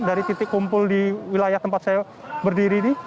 dari titik kumpul di wilayah tempat saya berdiri ini